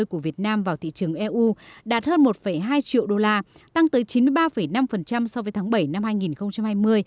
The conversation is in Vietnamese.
của việt nam vào thị trường eu đạt hơn một hai triệu đô la tăng tới chín mươi ba năm so với tháng bảy năm hai nghìn hai mươi